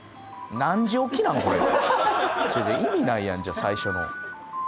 意味ないやんじゃあ最初の。